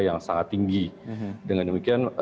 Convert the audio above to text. yang sangat tinggi dengan demikian